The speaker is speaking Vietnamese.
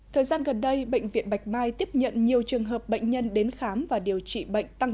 thời gian gần đây bệnh viện bạch mai tiếp nhận nhiều trường hợp bệnh nhân đến khám và điều trị bệnh tăng